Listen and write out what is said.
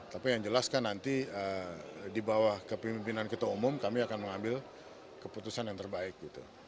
tapi yang jelas kan nanti di bawah kepemimpinan ketua umum kami akan mengambil keputusan yang terbaik gitu